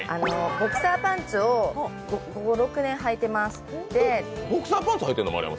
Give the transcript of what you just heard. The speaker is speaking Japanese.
ボクサーパンツを５６年はいています。